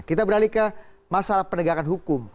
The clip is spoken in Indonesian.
kita beralih ke masalah penegakan hukum